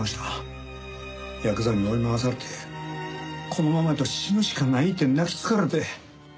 ヤクザに追い回されてこのままやと死ぬしかないって泣きつかれて。